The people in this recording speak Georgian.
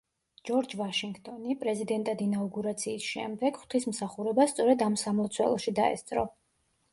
ჯორჯ ვაშინგტონი, პრეზიდენტად ინაუგურაციის შემდეგ, ღვთისმსახურებას სწორედ ამ სამლოცველოში დაესწრო.